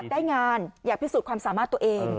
ได้งานอยากพิสูจน์ความสามารถตัวเอง